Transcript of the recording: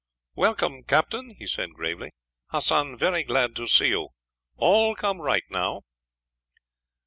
"Welcome, Captain," he said gravely. "Hassan very glad to see you. All come right now."